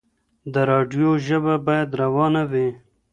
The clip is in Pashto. د راډيو ژبه بايد روانه وي.